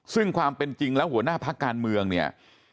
ซึ่งความเป็นจริงแล้วหัวหน้าพักการเมืองเนี่ย